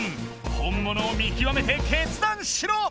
本物を見きわめて決断しろ！